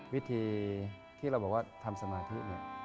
วิธีที่เราบอกว่าทำสมาธิเนี่ย